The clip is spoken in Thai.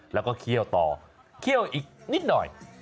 แล้วก็เคี่ยวต่อเคี่ยวอีกนิดหน่อย